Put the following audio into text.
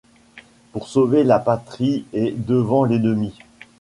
Pour sauver la patrie et devant l'ennemi